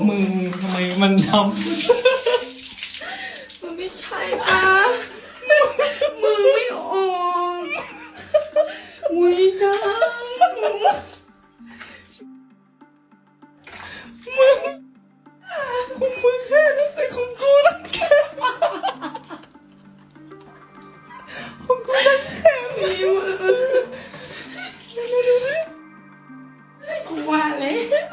มึงมึงเหมือนแค่นักศึกของกูนะแค่อ่าฮ่าฮ่า